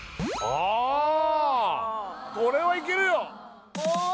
あこれはいけるよ